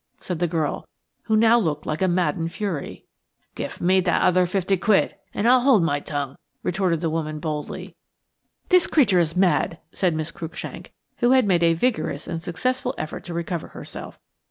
said the girl, who now looked like a maddened fury. "Give me that other fifty quid and I'll hold my tongue," retorted the woman, boldly. "This creature is mad," said Miss Cruikshank, who had made a vigorous and successful effort to recover herself.